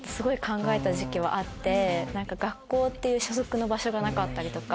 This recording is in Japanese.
学校っていう所属の場所がなかったりとか。